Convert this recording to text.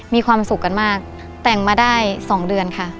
มีความสุขกันมากแต่งมาได้๒เดือนค่ะ